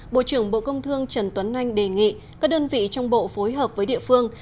bộ trưởng bộ công thương trần tuấn anh đề nghị các đơn vị trong bộ phối hợp với địa phương